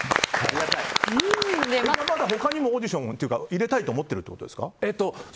まだまだ他にもオーディションというか入れたいと思ってるということですか？